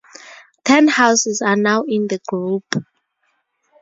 Ten houses are now in the group.